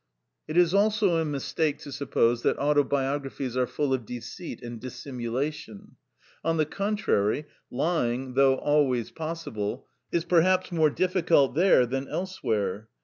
It is also a mistake to suppose that autobiographies are full of deceit and dissimulation. On the contrary, lying (though always possible) is perhaps more difficult there than elsewhere.